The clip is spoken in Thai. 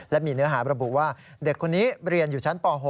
และมีเนื้อหาระบุว่าเด็กคนนี้เรียนอยู่ชั้นป๖